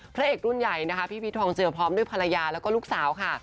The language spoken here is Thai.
พระเอกรุ่นใหญ่นะคะพี่พีชทองเจือพร้อมด้วยภรรยาแล้วก็ลูกสาวค่ะ